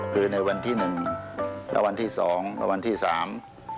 คือในวันที่หนึ่งและวันที่สองและวันที่สาม